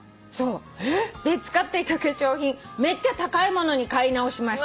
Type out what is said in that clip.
「使っていた化粧品めっちゃ高いものに買い直しました」